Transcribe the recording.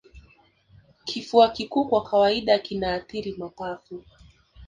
Kifua kikuu kwa kawaida kinaathiri mapafu